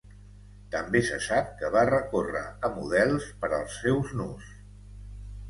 També se sap que va recórrer a models per als seus nus.